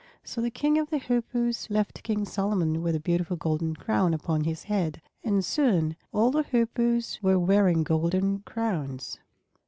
So the King of the Hoopoes left King Solomon with a beautiful golden crown upon his head. And soon all the Hoopoes were wearing golden crowns.